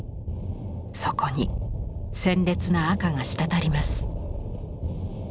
そこに鮮烈な赤が滴ります。